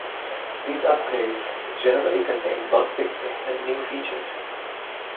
These upgrades generally contain bug fixes and new features.